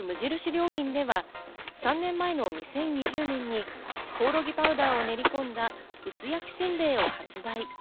良品では、３年前の２０２０年にコオロギパウダーを練りこんだ薄焼きせんべいを発売。